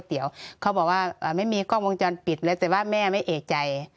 เขาบอกว่าอ่าไม่มีกล้องวงจรปิดเลยแต่ว่าแม่ไม่เอกใจ